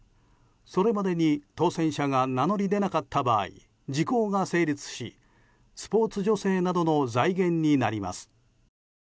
それまでに当せん者が名乗り出なかった場合時効が成立しスポーツ助成などの財源になります。